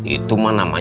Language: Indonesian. itu mah nama temen